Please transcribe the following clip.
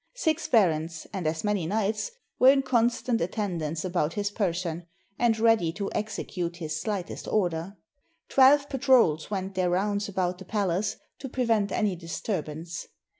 Six barons and as many knights were in constant attend ance about his person, and ready to execute his slightest order. Twelve patrols went their rounds about the pal ace, to prevent any disturbance.